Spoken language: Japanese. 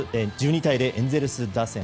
１２対０、エンゼルス打線。